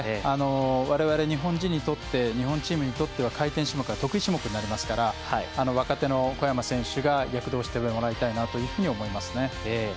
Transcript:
我々、日本人にとって日本チームにとっては回転種目は得意種目になるので若手の小山選手に躍動してもらいたいなと思います。